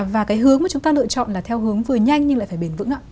và cái hướng mà chúng ta lựa chọn là theo hướng vừa nhanh nhưng lại phải bền vững ạ